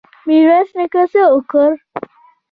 میرویس نیکه څه وکړل؟